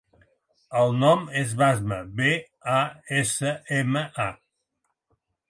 El nom és Basma: be, a, essa, ema, a.